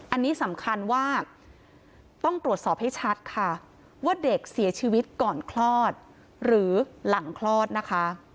อันนี้สำคัญว่าต้องตรวจสอบให้ชัดค่ะว่าเด็กเสียชีวิตก่อนคลอดหรือหลังคลอดนะคะ